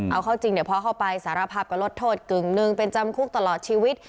เอาเข้าจริงเนี่ยพอเข้าไปสารภาพก็ลดโทษกึ่งหนึ่งเป็นจำคุกตลอดชีวิต